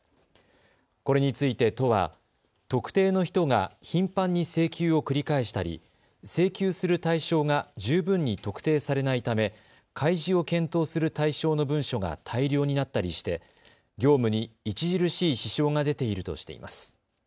これについて都は特定の人が頻繁に請求を繰り返したり請求する対象が十分に特定されないため開示を検討する対象の文書が大量になったりして業務に著しい支障が出ているとしています。